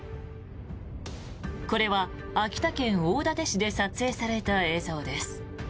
これは秋田県大館市で撮影された映像です。